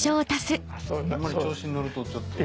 あんまり調子に乗るとちょっと。